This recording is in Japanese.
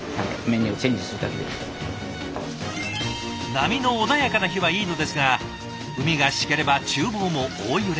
波の穏やかな日はいいのですが海がシケればちゅう房も大揺れ。